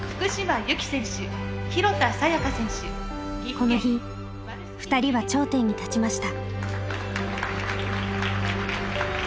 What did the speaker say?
この日ふたりは頂点に立ちました。